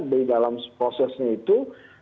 di dalam prosesnya itu